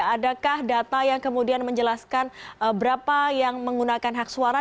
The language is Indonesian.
adakah data yang kemudian menjelaskan berapa yang menggunakan hak suara